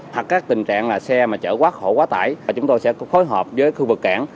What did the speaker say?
hoặc các tình trạng xe chở quá khổ quá tải chúng tôi sẽ phối hợp với khu vực cảng